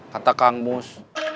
kata kang mus